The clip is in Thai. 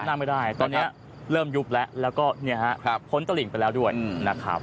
นั่งไม่ได้ตอนนี้เริ่มยุบแล้วแล้วก็เนี่ยฮะพ้นตลิ่งไปแล้วด้วยนะครับ